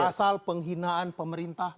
pasal penghinaan pemerintah